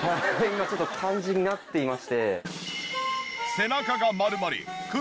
今ちょっと感じになっていまして。